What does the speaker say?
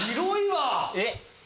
えっ。